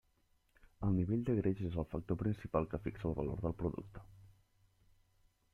El nivell de greix és el factor principal que fixa el valor del producte.